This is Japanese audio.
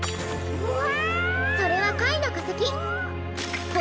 うわ！